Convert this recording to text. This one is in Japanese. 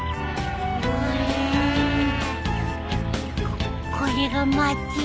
ここれが町。